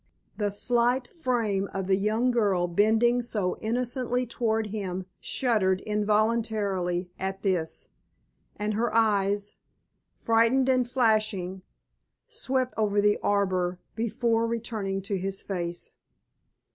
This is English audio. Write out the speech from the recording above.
The slight frame of the young girl bending so innocently toward him shuddered involuntarily at this, and her eyes, frightened and flashing, swept over the arbour before returning to his face.